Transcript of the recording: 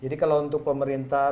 jadi kalau untuk pemerintah